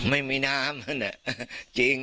ไม่มีน้ำจริง